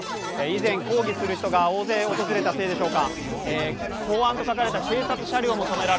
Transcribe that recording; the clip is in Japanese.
以前、抗議する人が大勢訪れたせいでしょうか。